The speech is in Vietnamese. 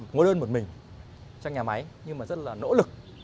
ngô đơn một mình trong nhà máy nhưng mà rất là nỗ lực